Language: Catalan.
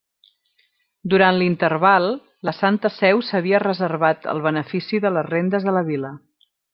Durant l'interval, la santa Seu s'havia reservat el benefici de les rendes de la vila.